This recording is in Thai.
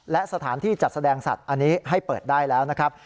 และสถานที่จัดแสดงสัตว์อันนี้ให้เปิดได้แล้วนะครับ